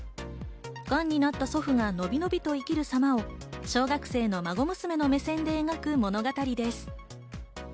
がんになった祖父がのびのびと生きる様を小学生の孫娘の目線で描く物語です。